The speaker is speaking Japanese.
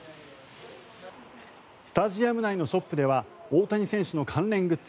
スタジアム内のショップでは大谷選手の関連グッズ